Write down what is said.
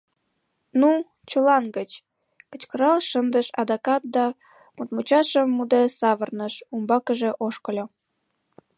— Ну, чылан гыч!.. — кычкырал шындыш адакат да, мутмучашым муде савырныш, умбакыже ошкыльо.